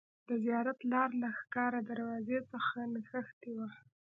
د زیارت لار له ښکار دروازې څخه نښتې وه.